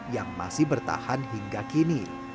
yang masih bertahan hingga kini